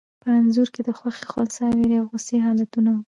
په انځور کې د خوښي، خنثی، وېرې او غوسې حالتونه وو.